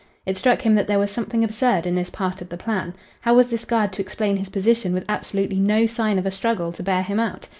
It struck him that there was something absurd in this part of the plan. How was this guard to explain his position with absolutely no sign of a struggle to bear him out?